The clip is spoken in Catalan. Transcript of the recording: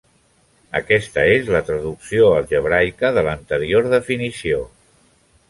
Aquesta és la traducció algebraica de l'anterior definició.